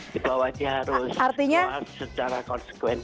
di bawah dia harus keluar secara konsekuens